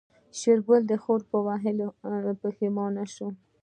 شېرګل د خور په وهلو پښېمانه شو.